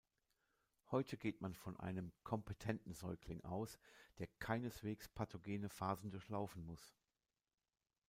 Heute geht man von einem "kompetenten Säugling" aus, der keineswegs pathogene Phasen durchlaufen muss.